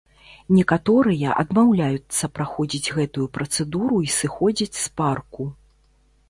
Некаторыя адмаўляюцца праходзіць гэтую працэдуру і сыходзяць з парку.